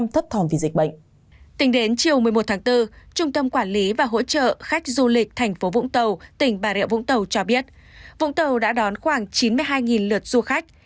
tính đến chiều một mươi một tháng bốn trung tâm quản lý và hỗ trợ khách du lịch thành phố vũng tàu tỉnh bà rịa vũng tàu cho biết vũng tàu đã đón khoảng chín mươi hai lượt du khách